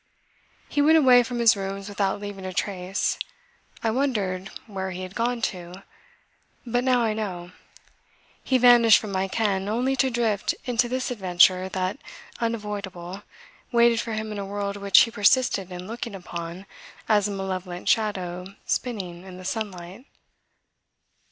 He went away from his rooms without leaving a trace. I wondered where he had gone to but now I know. He vanished from my ken only to drift into this adventure that, unavoidable, waited for him in a world which he persisted in looking upon as a malevolent shadow spinning in the sunlight.